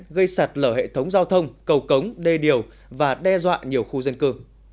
gây sạt lở hệ thống giao thông cầu cống đê điều và đe dọa nhiều khu dân cư